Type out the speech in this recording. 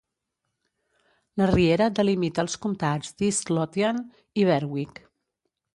La riera delimita els comtats d'East Lothian i Berwick.